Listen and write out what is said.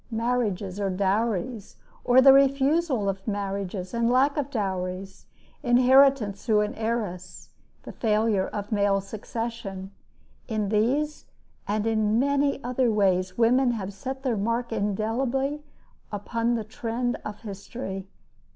Marriages or dowries, or the refusal of marriages and the lack of dowries, inheritance through an heiress, the failure of a male succession in these and in many other ways women have set their mark indelibly upon the trend of history.